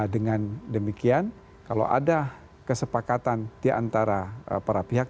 dengan demikian kalau ada kesepakatan diantara para pihak